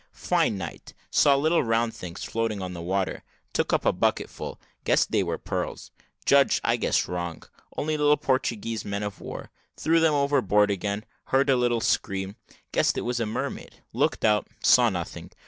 Fine night saw little round things floating on the water took up a bucket full guessed they were pearls judge I guessed wrong, only little Portuguese men of war threw them overboard again heard a scream, guessed it was a mermaid looked out, saw nothing.